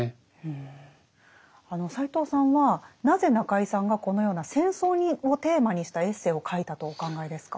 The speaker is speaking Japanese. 斎藤さんはなぜ中井さんがこのような戦争をテーマにしたエッセイを書いたとお考えですか？